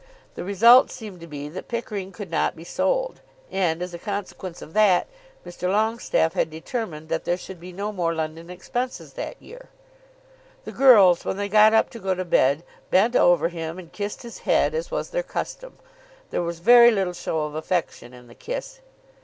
The result seemed to be that Pickering could not be sold, and, as a consequence of that, Mr. Longestaffe had determined that there should be no more London expenses that year. The girls, when they got up to go to bed, bent over him and kissed his head, as was their custom. There was very little show of affection in the kiss.